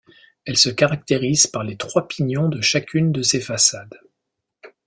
Elle se caractérise par les trois pignons de chacune de ses façades.